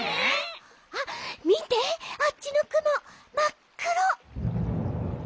あみてあっちのくもまっくろ。